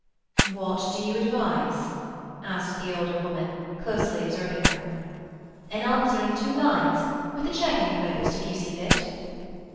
"What do you advise?" asked the elder woman, closely observing her. "An answer in two lines—with a cheque enclosed, if you see fit."